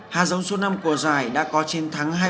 hà giống số năm của giải đã có chiến thắng hai một